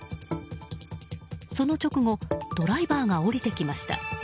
その直後ドライバーが降りてきました。